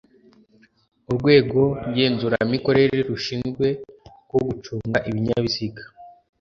urwego ngenzuramikorere rushinzwe rwo gucunga ibinyabiziga